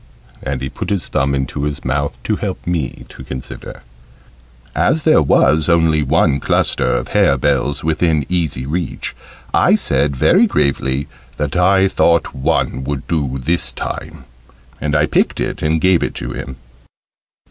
And he put his thumb into his mouth to help me to consider. As there was only one cluster of hare bells within easy reach, I said very gravely that I thought one would do this time, and I picked it and gave it to him.